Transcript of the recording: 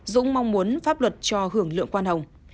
dũng mong muốn pháp luật cho hưởng lượng khoan hồng